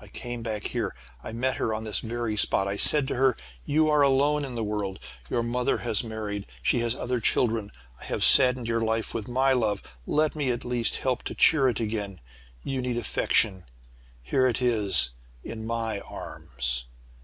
"I came back here. I met her on this very spot. I said to her, 'You are alone in the world your mother has married she has other children. I have saddened your life with my love. Let me at least help to cheer it again. You need affection. Here it is in my arms!'